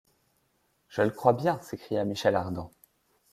Je le crois bien! s’écria Michel Ardan.